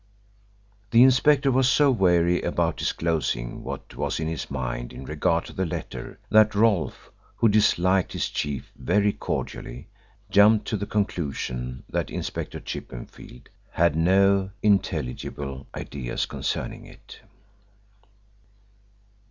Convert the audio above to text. The inspector was so wary about disclosing what was in his mind in regard to the letter that Rolfe, who disliked his chief very cordially, jumped to the conclusion that Inspector Chippenfield had no intelligible ideas concerning it.